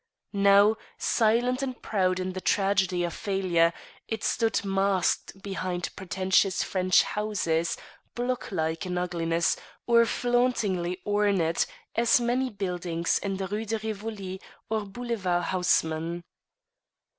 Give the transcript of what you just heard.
Now, silent and proud in the tragedy of failure, it stood masked behind pretentious French houses, blocklike in ugliness, or flauntingly ornate as many buildings in the Rue de Rivoli or Boulevard Haussmann.